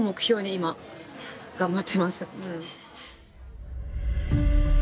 今頑張ってます。